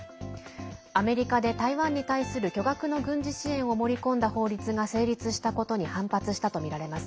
アメリカで台湾に対する巨額の軍事支援を盛り込んだ法律が成立したことに反発したとみられます。